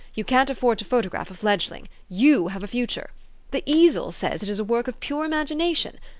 You can't afford to photograph a fledgling. You have a future. 'The Easel' says it is a work of pure imagination.